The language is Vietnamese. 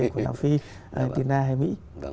của laos phi china hay mỹ